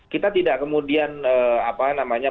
kita tidak kemudian apa namanya